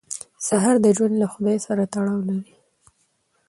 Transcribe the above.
سهار د ژوند له خدای سره تړاو دی.